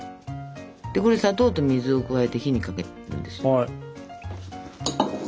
でこれ砂糖と水を加えて火にかけるんですよ。